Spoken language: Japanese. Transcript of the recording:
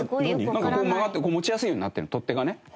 なんかこう曲がってて持ちやすいようになってるの取っ手がね。